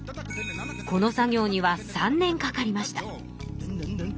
この作業には３年かかりました。